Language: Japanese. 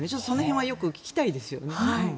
その辺は聞きたいですよね。